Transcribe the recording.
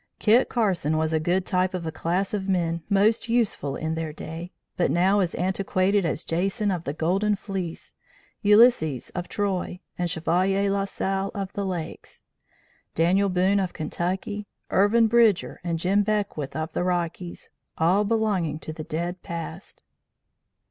"Kit Carson was a good type of a class of men most useful in their day, but now as antiquated as Jason of the Golden Fleece, Ulysses of Troy, the Chevalier La Salle of the Lakes, Daniel Boone of Kentucky, Irvin Bridger and Jim Beckwith of the Rockies, all belonging to the dead past.